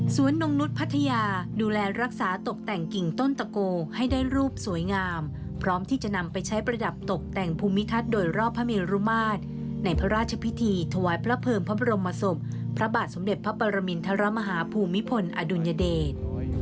นงนุษย์พัทยาดูแลรักษาตกแต่งกิ่งต้นตะโกให้ได้รูปสวยงามพร้อมที่จะนำไปใช้ประดับตกแต่งภูมิทัศน์โดยรอบพระเมรุมาตรในพระราชพิธีถวายพระเพิงพระบรมศพพระบาทสมเด็จพระปรมินทรมาฮาภูมิพลอดุลยเดช